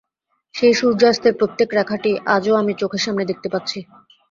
সেই সূর্যাস্তের প্রত্যেক রেখাটি আজও আমি চোখের সামনে দেখতে পাচ্ছি।